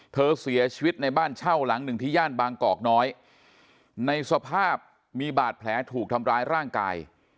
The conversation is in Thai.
เสียชีวิตในบ้านเช่าหลังหนึ่งที่ย่านบางกอกน้อยในสภาพมีบาดแผลถูกทำร้ายร่างกาย